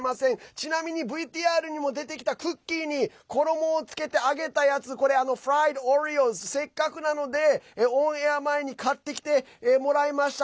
ちなみにＶＴＲにも出てきたクッキーに衣をつけて揚げたやつこれ、ＦｒｉｅｄＯｒｅｏｓせっかくなのでオンエア前に買ってきてもらいました。